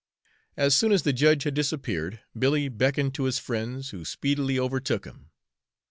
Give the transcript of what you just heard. As soon as the judge had disappeared, Billy beckoned to his friends, who speedily overtook him.